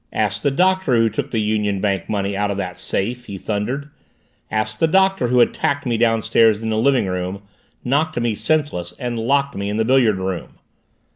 "Ask the Doctor who took the Union Bank money out of that safe!" he thundered. "Ask the Doctor who attacked me downstairs in the living room, knocked me senseless, and locked me in the billiard room!"